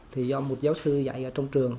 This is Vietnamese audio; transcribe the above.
thì do một giáo sư dạy ở trong trường